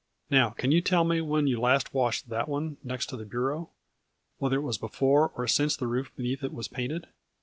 Now can you tell me when you last washed that one next the bureau ? Whether it was before or since the roof beneath it was painted?